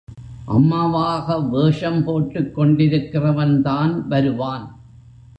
அம்மாவாக வேஷம் போட்டுக் கொண்டிருக்கிறவன்தான் வருவான்.